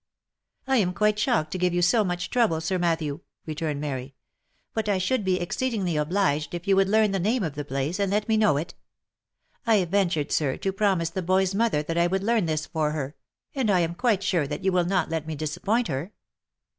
" I am quite shocked to give you so much trouble, Sir Matthew," returned Mary, " but I should be exceedingly obliged if you would learn the name of the place, and let me know it. I ventured, sir, to promise the boy's mother that I would learn this for her, and I am quite sure that you will not let me disappoint her."